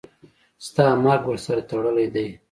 ستا مرګ ورسره تړلی دی.